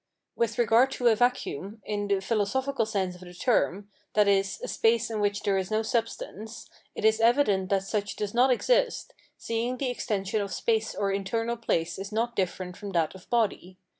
With regard to a vacuum, in the philosophical sense of the term, that is, a space in which there is no substance, it is evident that such does not exist, seeing the extension of space or internal place is not different from that of body.